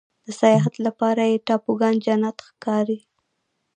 د سیاحت لپاره یې ټاپوګان جنت ښکاري.